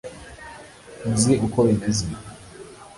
nzi uko bimeze